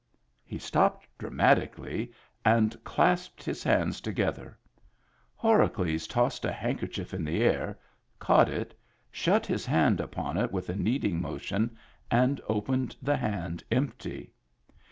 He stopped dramatically, and clasped his hands together. Horacles tossed a handkerchief in the air, caught it, shut his hand upon it with a kneading motion, and opened the hand empty.